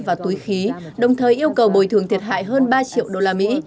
và túi khí đồng thời yêu cầu bồi thường thiệt hại hơn ba triệu đô la mỹ